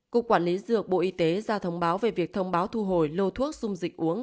cục quản lý dược bộ y tế ra thông báo về việc thông báo thu hồi lô thuốc dung dịch uống